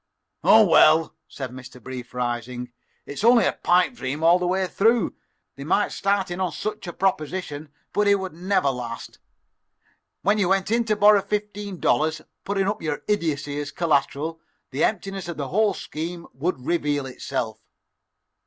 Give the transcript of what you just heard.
"Oh, well," said Mr. Brief, rising, "it's only a pipe dream all the way through. They might start in on such a proposition, but it would never last. When you went in to borrow fifteen dollars, putting up your idiocy as collateral, the emptiness of the whole scheme would reveal itself."